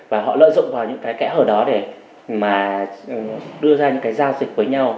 và họ lợi dụng vào những kẻ hở đó để đưa ra những giao dịch với nhau